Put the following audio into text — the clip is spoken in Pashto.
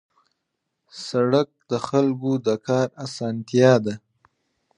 سړک د خلکو د کار اسانتیا ده.